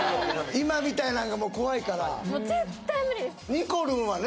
今みたいなんがもう怖いからにこるんはね